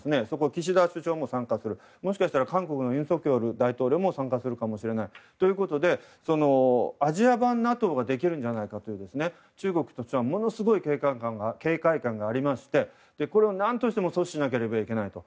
岸田首相も参加するもしかしたら韓国の尹錫悦大統領も参加するかもしれないということでアジア版ＮＡＴＯができるんじゃないかということで中国としてはものすごい警戒感がありましてこれを何としても阻止しなければいけないと。